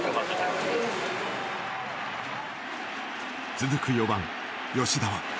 続く４番吉田は。